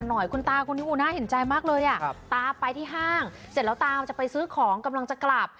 หน่อยคุณตาคนนี้น่าเห็นใจมากเลยอ่ะตาไปที่ห้างเสร็จแล้วตาจะไปซื้อของกำลังจะกลับ